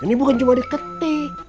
ini bukan cuma diketik